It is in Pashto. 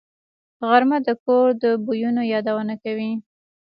غرمه د کور د بویونو یادونه کوي